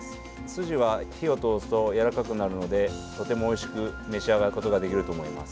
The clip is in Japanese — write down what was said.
筋は火を通すとやわらかくなるのでとてもおいしく召し上がることができると思います。